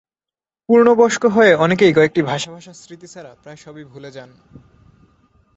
পূর্ণবয়স্ক হয়ে অনেকেই কয়েকটি ভাসা ভাসা স্মৃতি ছাড়া প্রায় সবই ভুলে যান।